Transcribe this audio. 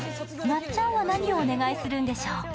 松ちゃんは何をお願いするんでしょう？